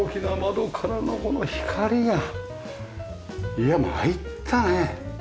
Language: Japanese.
いや参ったね。